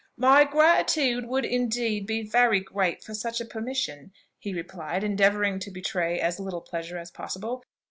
"My gratitude would indeed be very great for such a permission," he replied, endeavouring to betray as little pleasure as possible.